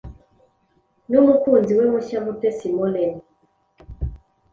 n'umukunzi we mushya Mutesi Moreen